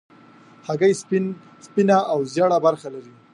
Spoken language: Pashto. هګۍ سپینه او ژېړه برخه لري.